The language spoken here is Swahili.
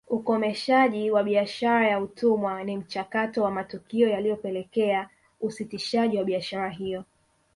Ukomeshaji wa biashara ya utumwa ni mchakato wa matukio yaliyopelekea usitishaji wa biashara hiyo